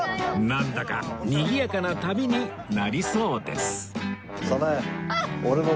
なんだかにぎやかな旅になりそうです